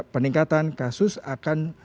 peningkatan kasus akan